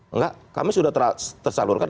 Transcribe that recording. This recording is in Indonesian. enggak kami sudah tersalurkan